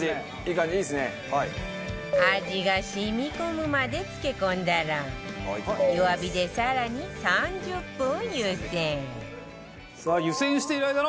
味が染み込むまで漬け込んだら弱火で更に３０分湯煎